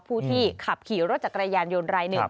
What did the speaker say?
ผู้ที่ขับขี่รถจักรยานยนต์รายหนึ่ง